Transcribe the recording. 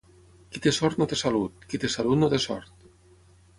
Qui té sort no té salut; qui té salut no té sort.